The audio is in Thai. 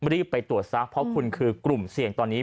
รีบไปตรวจซะเพราะคุณคือกลุ่มเสี่ยงตอนนี้